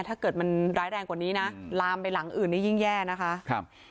ถ้าเกิดมันร้ายแรงกว่านี้นะลามไปหลังอื่นนี่ยิ่งแย่นะคะครับ